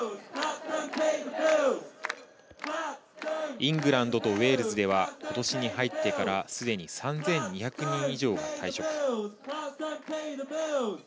イングランドとウェールズでは、ことしに入ってからすでに３２００人以上が退職。